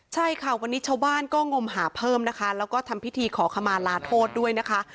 ใช่ค่ะวันนี้ชาวบ้านก็งมหาเพิ่มนะคะแล้วก็ทำพิธีขอขมาลาโทษด้วยนะคะ